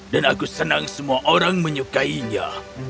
dan aku senang semua orang menyukainya